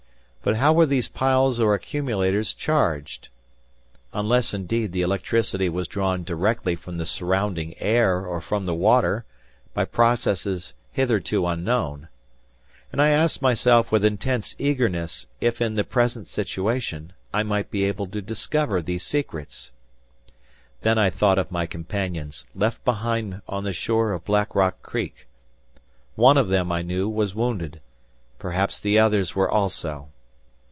But how were these piles or accumulators charged? Unless, indeed, the electricity was drawn directly from the surrounding air or from the water, by processes hitherto unknown. And I asked myself with intense eagerness if in the present situation, I might be able to discover these secrets. Then I thought of my companions, left behind on the shore of Black Rock Creek. One of them, I knew, was wounded; perhaps the others were also.